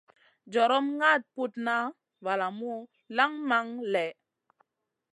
Jorom ŋaɗ putna valamu lanŋ man lèh.